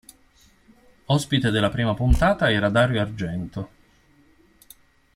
Ospite della prima puntata era Dario Argento.